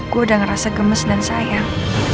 gue udah ngerasa gemes dan sayang